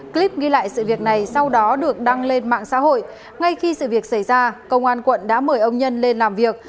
clip ghi lại sự việc này sau đó được đăng lên mạng xã hội ngay khi sự việc xảy ra công an quận đã mời ông nhân lên làm việc